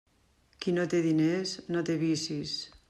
Qui no té diners, no té vicis.